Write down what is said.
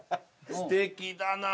すてきだな。